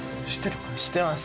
知ってます。